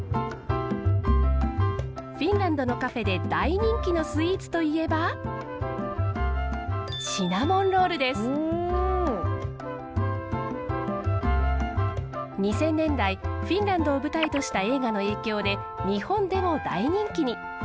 フィンランドのカフェで大人気のスイーツといえば２０００年代フィンランドを舞台とした映画の影響で日本でも大人気に。